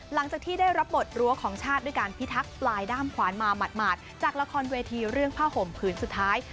หลังจากที่ได้รับบทรั้วของชาติด้วยการพิทักษ์ปลายด้ามขวานมาหมาดจากละครเวทีเรื่องผ้าห่มผืนสุดท้าย